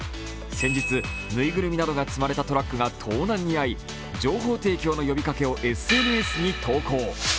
先日ぬいぐるみなどが積まれたトラックが盗難に遭い、情報提供の呼びかけをＳＮＳに投稿。